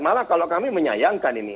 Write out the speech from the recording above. malah kalau kami menyayangkan ini